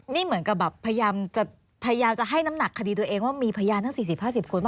นี่เหมือนกับแบบพยายามจะให้น้ำหนักคดีตัวเองว่ามีพยานทั้งสี่สิบห้าสิบคน